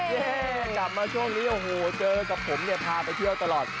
กลับมาช่วงนี้โอ้โหเจอกับผมเนี่ยพาไปเที่ยวตลอด